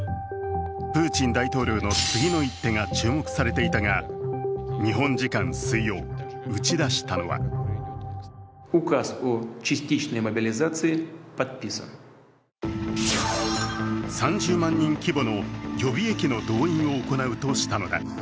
プーチン大統領の次の一手が注目されていたが、日本時間、水曜、打ち出したのは３０万人規模の予備役の動員を行うとしたのだ。